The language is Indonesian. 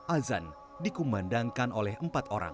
azan dikumandangkan oleh empat orang